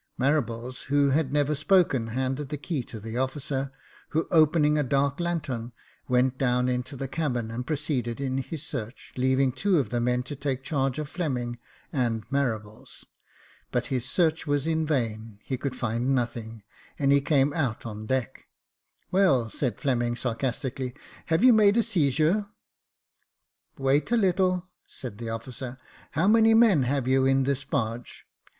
Marables, who had never spoken, handed the key to the officer, who, opening a dark lanthorn, went down into the cabin and proceeded in his search, leaving two of the men to take charge of Fleming and Marables. But his search was in vain ; he could find nothing, and he came out on the deck. "Well," said Fleming, sarcastically, "have you made a seizure ?"" Wait a little," said the officer; "how many men have you in this barge